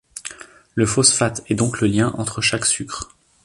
Le phosphate est donc le lien entre chaque sucre.